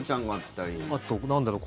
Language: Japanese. あとなんだろう？